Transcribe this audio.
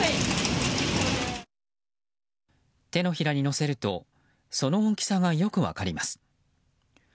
手のひらにのせるとその大きさがよくわかります。